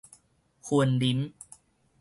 雲林